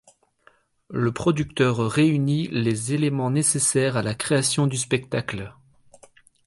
Le producteur réunit les éléments nécessaires à la création du spectacle.